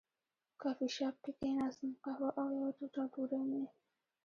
کافي شاپ کې کېناستم، قهوه او یوه ټوټه ډوډۍ مې.